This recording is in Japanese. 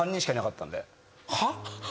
はっ？